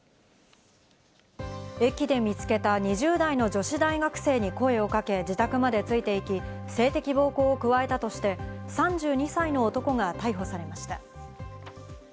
駅で見つけた２０代の女子大学生に声をかけ、自宅までついていき、性的暴行を加えたとして３２歳の男が逮捕されました。